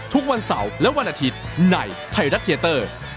ทุกวันเสาร์และวันอาทิตย์ในไทยรัฐเทียเตอร์